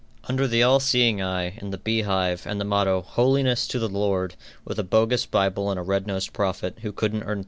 Under the All seeing eye, and the Bee Hive, and the motto, "Holiness to the Lord," with a bogus Bible and a red nosed prophet, who couldn't earn $13.